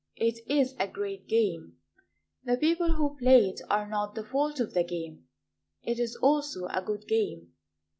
It is a great game: The people who play it are not the fault of the game. It is also a good game.